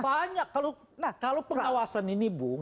banyak nah kalau pengawasan ini bung